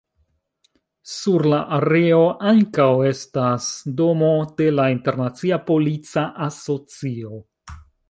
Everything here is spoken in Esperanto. Sur la areo ankaŭ estas domo de la Internacia Polica Asocio.